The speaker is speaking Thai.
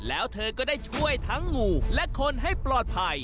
แล้วเธอก็ได้ช่วยทั้งงูและคนให้ปลอดภัย